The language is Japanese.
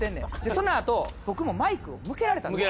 そのあと僕もマイク向けられたんです。